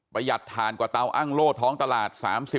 ประหยัดทานกว่าเตาอ้างโลท้องตลาด๓๐๔๐